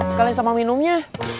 sekalian sama minumnya